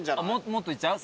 もっといっちゃう？